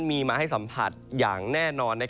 มีมาให้สัมผัสอย่างแน่นอน